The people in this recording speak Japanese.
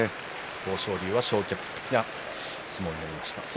豊昇龍は消極的な相撲になりました。